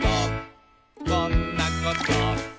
「こんなこと」